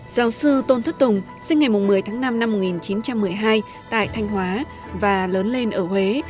giáo sư tôn thất tùng sinh ngày một mươi tháng năm năm một nghìn chín trăm một mươi hai tại thanh hóa và lớn lên ở huế